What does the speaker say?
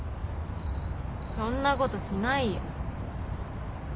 そんなことしないよ。